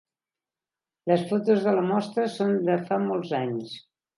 Les fotos de la mostra són de fa molts anys.